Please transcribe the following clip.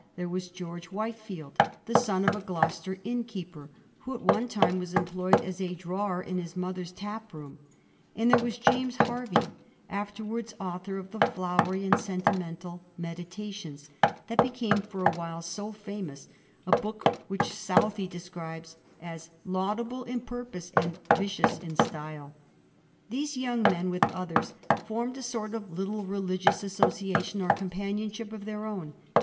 There was George Whitefield, the soq^of a Gloucester innkeeper, who at one time was employed as a drawer in his mother's tap room; and there was James Hervey, afterwards author of the flowery and sentimental "Meditations," that became for a while so famous — a book which Southey describes " as laudable in purpose and vicious in style." These young men, with others, formed a sort of little religious associa tion or companionship of their own.